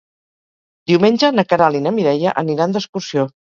Diumenge na Queralt i na Mireia aniran d'excursió.